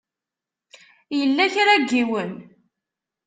Yella kra n yiwen?